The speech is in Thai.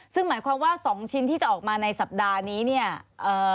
ซึ่งหมายความว่าสองชิ้นที่จะออกมาในสัปดาห์นี้เนี่ยเอ่อ